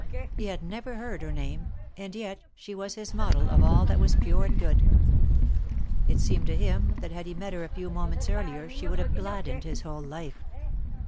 He had never heard her name, and yet she was his model of all that was pure and good. It seemed to him that had he met her a few moments earlier she would have glad dened his whole life.